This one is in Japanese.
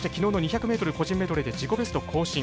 昨日の２００ｍ個人メドレーで自己ベスト更新。